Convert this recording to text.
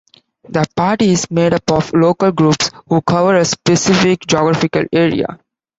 The party is made up of 'local groups', who cover a specific geographical area.